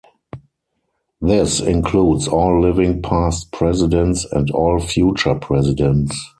This includes all living past presidents and all future presidents.